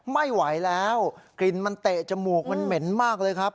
ไม่ไหวแล้วกลิ่นมันเตะจมูกมันเหม็นมากเลยครับ